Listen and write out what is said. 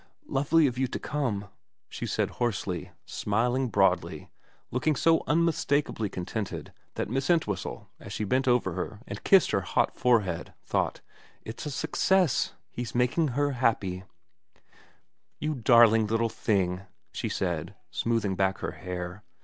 * Lovely of you to come,' she said hoarsely, smiling broadly and looking so unmistakably contented that Miss Entwhistle, as she bent over her and kissed her hot forehead, thought, ' It's a success. He's making her happy/ 4 You darling little thing,' she said, smoothing back her hair.